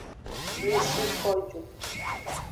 Mi shi ko ju.